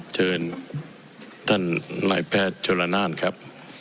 เชิญท่านนายแพทย์โชลนานครับ